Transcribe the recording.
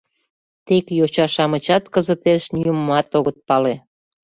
— Тек йоча-шамычат кызытеш нимомат огыт пале».